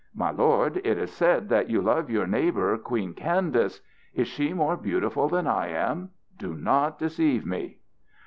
"My lord, it is said that you love your neighbour, Queen Candace. Is she more beautiful than I am? Do not deceive me."